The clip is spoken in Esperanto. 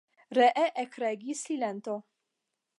Ree ekregis silento.